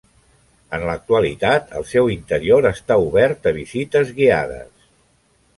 En l'actualitat el seu interior està obert a visites guiades.